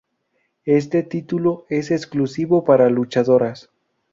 Este título es exclusivo para luchadoras.